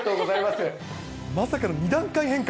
まさかの２段階変換。